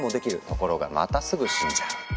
ところがまたすぐ死んじゃう。